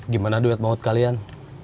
gimana duet banget kalian